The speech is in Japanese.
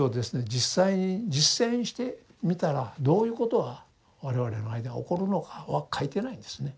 実際に実践してみたらどういうことが我々の間に起こるのかは書いてないんですね。